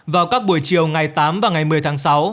vào các buổi chiều ngày tám và ngày một mươi tháng sáu